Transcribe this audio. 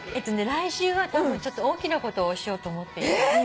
来週はちょっと大きなことをしようと思っていて。